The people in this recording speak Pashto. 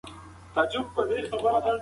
دا کتاب د محصلینو لپاره چاپ شوی دی.